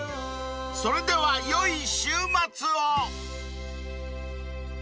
［それでは良い週末を］